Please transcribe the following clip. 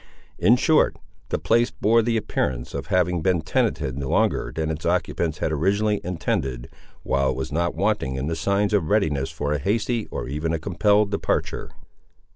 In short, the place bore the appearance of having been tenanted longer than its occupants had originally intended, while it was not wanting in the signs of readiness for a hasty, or even a compelled departure.